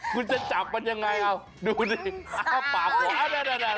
คุณจะจับมันยังไงดูสิปากกว้านั่น